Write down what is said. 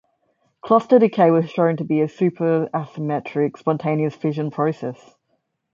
Cluster decay was shown to be a superasymmetric spontaneous fission process.